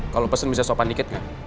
kalau pesen bisa sopan dikit nggak